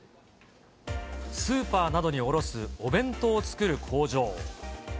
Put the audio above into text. スーパーなどに卸すお弁当を作る工場。